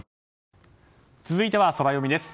続いてはソラよみです。